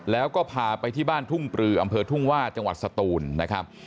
แล้วก็พาไปที่บ้านทุ่งปลืออำเภอทุ่งว่าจังหวัดสตูนนะครับ